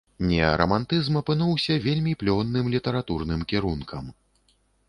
Неарамантызм апынуўся вельмі плённым літаратурным кірункам.